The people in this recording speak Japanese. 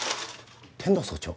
天堂総長？